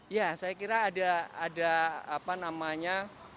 ya saya kira ada apa namanya